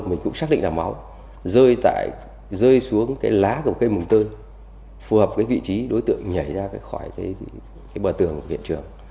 mình cũng xác định là máu rơi xuống cái lá của một cây mùng tơi phù hợp với vị trí đối tượng nhảy ra khỏi bờ tường hiện trường